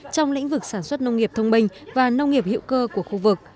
trong lĩnh vực sản xuất nông nghiệp thông minh và nông nghiệp hữu cơ của khu vực